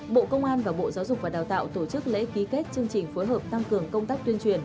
bộ công an và bộ giáo dục và đào tạo tổ chức lễ ký kết chương trình phối hợp tăng cường công tác tuyên truyền